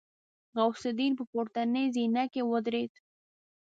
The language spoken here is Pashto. غوث الدين په پورتنۍ زينه کې ودرېد.